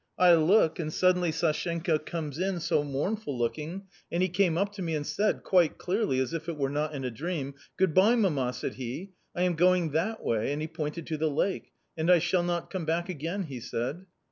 I look, and suddenly Sashenka comes in so mournful looking, and he came up to me and said, quite clearly as if it were not in a dream, * Good bye, mamma,' said he ;' I am going that way,' and he pointed to the lake ;' and I shall not come back again,' he said.